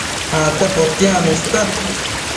Acte potiacno ista